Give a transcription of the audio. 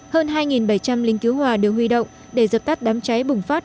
hơn hai bảy trăm linh lính cứu hỏa đều huy động để dập tắt đám cháy bùng phát